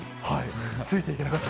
ついていけなかった。